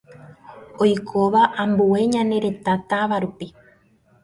oikóva ambue ñane retã táva rupi